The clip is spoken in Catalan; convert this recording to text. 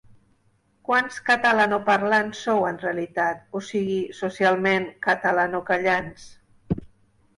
Quants catalanoparlants sou en realitat, o sigui, socialment, 'catalanocallants'...?